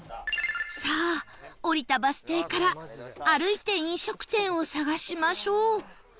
さあ降りたバス停から歩いて飲食店を探しましょう